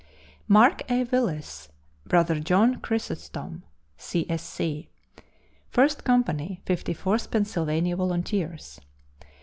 Mark A. Willis (Brother John Chrysostom, C. S. C.), I Company, Fifty fourth Pennsylvania Volunteers.